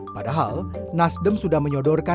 padahal nasdem sudah menyodorkan dki jakarta